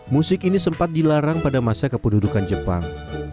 musik ini sempat dilarang pada masa kepedudukan jepang